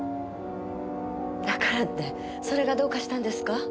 だからってそれがどうかしたんですか？